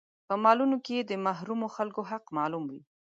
په مالونو کې يې د محرومو خلکو حق معلوم وي.